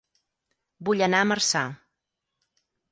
Vull anar a Marçà